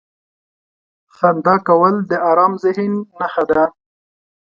• خندا کول د ارام ذهن نښه ده.